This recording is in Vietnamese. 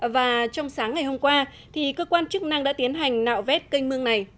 và trong sáng ngày hôm qua cơ quan chức năng đã tiến hành nạo vét canh mương này